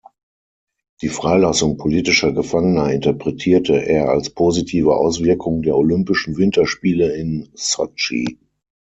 Die Freilassung politischer Gefangener interpretierte er als positive Auswirkung der Olympischen Winterspiele in Sotschi.